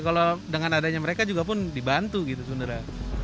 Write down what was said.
kalau dengan adanya mereka juga pun dibantu gitu sebenarnya